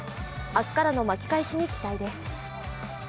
明日からの巻き返しに期待です。